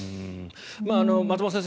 松本先生